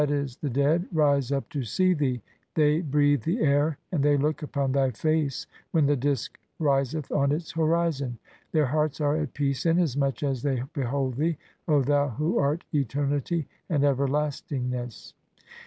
c, the "dead) rise up to see thee, they breathe the air and "they look upon thy face when the disk riseth on its "horizon ; their hearts are at peace inasmuch as they "behold thee, O thou who art Eternity and Everlast "ingness" (p.